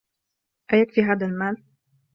أيكفي هذا المال؟